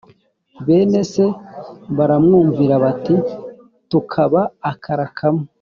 bene se baramwumvira bati tukaba akara kamwe